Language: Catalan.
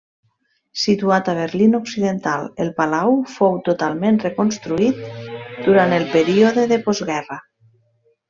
Situat al Berlín Occidental, el Palau fou totalment reconstruït durant el període de postguerra.